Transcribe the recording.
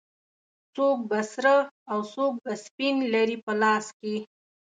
څوک به سره او څوک به سپین لري په لاس کې